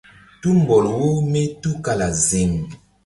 Tumbɔl wo mí tukala ziŋ.